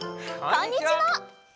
こんにちは。